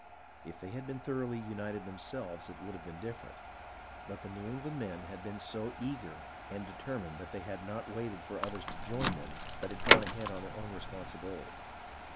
If they had been thoroughly united themselves it would have been different, but the New England men had been so eager and determined that they had not waited for others to join them but had gone ahead on their own responsibility.